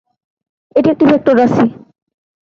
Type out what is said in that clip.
এটি একটি ভেক্টর রাশি।